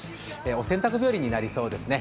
お洗濯日和になりそうですね。